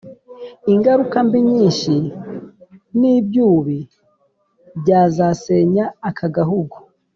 ingaruka mbi nyinshi n'ibyubi byazasenya aka gahugu